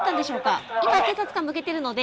今警察官向けてるので。